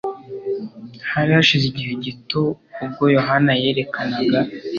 Hari hashize igihe gito ubwo Yohana yerekanaga